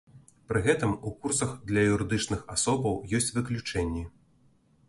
Пры гэтым у курсах для юрыдычных асобаў ёсць выключэнні.